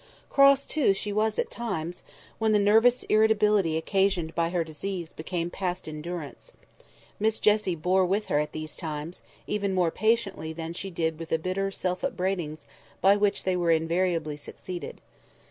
Cross, too, she was at times, when the nervous irritability occasioned by her disease became past endurance. Miss Jessie bore with her at these times, even more patiently than she did with the bitter self upbraidings by which they were invariably succeeded.